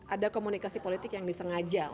ada komunikasi politik yang disengaja